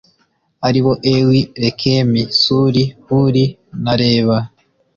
ari bo ewi, rekemi, suri, huri na reba